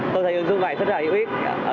tôi thấy ứng dụng này rất là hữu ích